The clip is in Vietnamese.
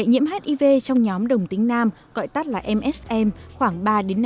nhiễm hiv trong nhóm đồng tính nam gọi tắt là msm khoảng ba năm